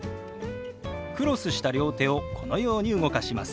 クロスした両手をこのように動かします。